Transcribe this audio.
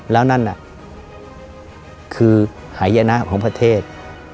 แล้วนั่นน่ะคือหายนะของประเทศ